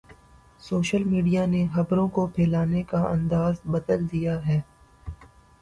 Social media نے خبروں کو پھیلانے کا انداز بدل دیا ہے۔